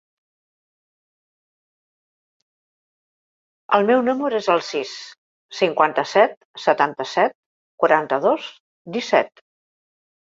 El meu número es el sis, cinquanta-set, setanta-set, quaranta-dos, disset.